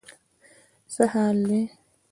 څه حال دی.